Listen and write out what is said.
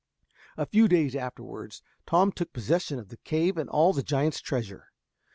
A few days afterwards Tom took possession of the cave and all the giant's treasure.